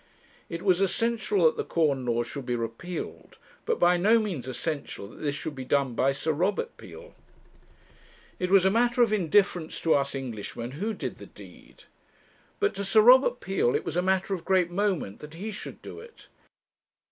It was essential that the corn laws should be repealed; but by no means essential that this should be done by Sir Robert Peel. It was a matter of indifference to us Englishmen who did the deed. But to Sir Robert Peel it was a matter of great moment that he should do it.